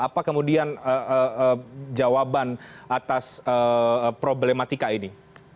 apa kemudian jawaban atas problematika ini